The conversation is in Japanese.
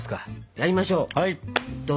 やりましょう。